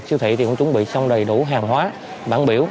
siêu thị thì cũng chuẩn bị xong đầy đủ hàng hóa bản biểu